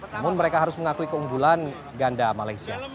namun mereka harus mengakui keunggulan ganda malaysia